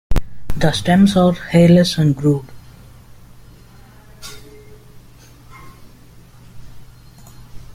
The stems are hairless and grooved.